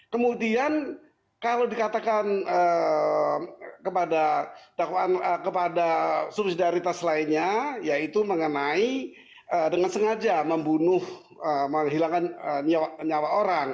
kemudian kalau dikatakan kepada subsidaritas lainnya yaitu mengenai dengan sengaja membunuh menghilangkan nyawa orang